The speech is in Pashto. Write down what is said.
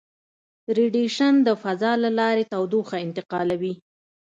ریډیشن د فضا له لارې تودوخه انتقالوي.